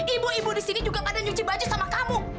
ibu ibu di sini juga kadang nyuci baju sama kamu